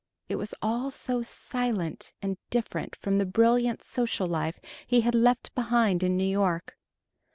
It was all so silent and different from the brilliant social life he had left behind in New York.